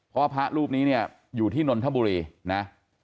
เพราะพระรูปนี้เนี่ยอยู่ที่นนทบุรีนะ